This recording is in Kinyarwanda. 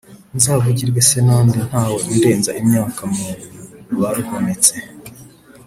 Nzavugirwe se na nde Ntawe undenza imyaka Mu baruhonotse?